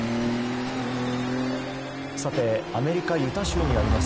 アメリカ・ユタ州にあります